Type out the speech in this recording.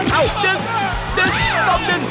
ดึงดึงทรงดึง